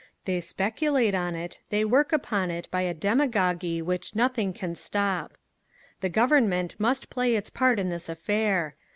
They speculate on it, they work upon it by a demagogy which nothing can stop…. "The Government must play its part in this affair.